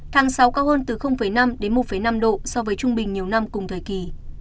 tháng sáu cao hơn từ năm đến một năm độ so với trung bình nhiều năm cùng thời kỳ